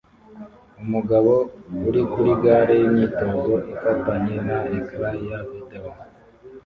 Umugabo uri kuri gare y'imyitozo ifatanye na ecran ya videwo